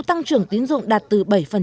tăng trưởng tín dụng đạt từ bảy